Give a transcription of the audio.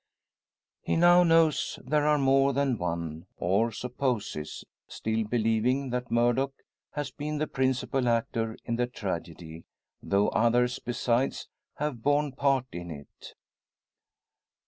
He now knows there are more than one, or so supposes; still believing that Murdock has been the principal actor in the tragedy; though others besides have borne part in it.